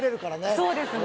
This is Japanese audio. そうですね